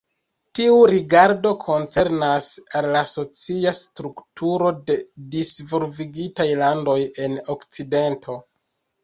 Tiu rigardo koncernas al la socia strukturo de disvolvigitaj landoj en Okcidento.